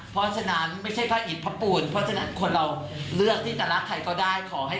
เพราะฉะนั้นคนเราเลือกที่จะรักใครเขาได้